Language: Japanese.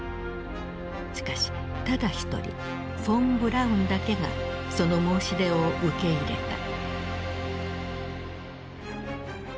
しかしただ一人フォン・ブラウンだけがその申し出を受け入れた。